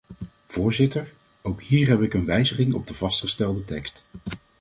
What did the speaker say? Voorzitter, ook hier heb ik een wijziging op de vastgestelde tekst.